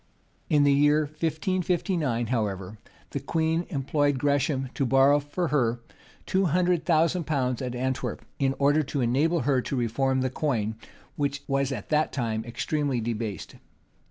[] In the year 1559, however, the queen employed Gresham to borrow for her two hundred thousand pounds at Antwerp, in order to enable her to reform the coin, which was at that time extremely debased.